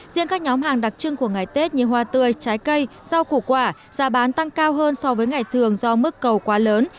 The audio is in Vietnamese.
riêng các nhóm hàng đặc trưng của ngày tết như hoa tươi trái cây rau củ quả giá bán tăng cao hơn so với ngày thường do mức cầu quá lớn